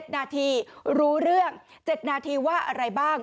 นาทีรู้เรื่อง๗นาทีว่าอะไรบ้าง